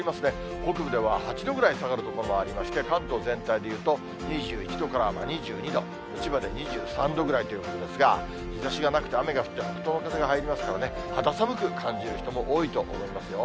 北部では８度ぐらい下がる所もありまして、関東全体でいうと２１度から２２度、千葉で２３度ぐらいということですが、日ざしがなくて、雨が降って、北東の風が入りますからね、肌寒く感じる人も多いと思いますよ。